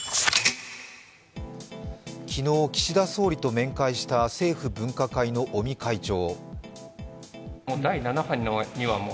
昨日、岸田総理と面会した政府分科会の尾身会長。